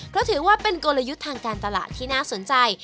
เพราะถือว่าเป็นกลยุทธ์ทางการตลาดที่น่าสนใจ